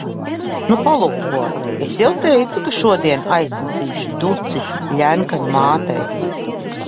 Nu, palūko. Es jau teicu, ka šodien aiznesīšu duci Ļenkanu mātei.